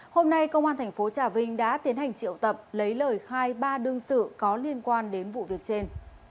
hôm nay công an tp trà vinh đã tiến hành triệu tập lấy lời khai ba đương sự có liên quan đến vụ việc trên